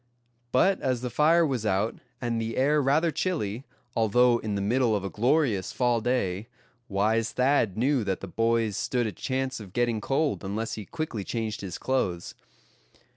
But as the fire was out, and the air rather chilly, although in the middle of a glorious fall day, wise Thad knew that the boys stood a chance of getting cold unless he quickly changed his clothes.